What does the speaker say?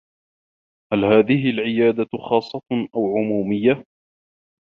هل هذه العيادة خاصّة أو عموميّة؟